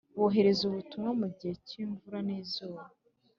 Bohereza ubutumwa mu gihe cyimvura nizuba